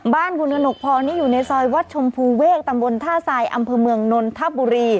บ้านคุณกระหนกพรนี่อยู่ในซอยวัดชมพูเวกตำบลท่าทรายอำเภอเมืองนนทบุรี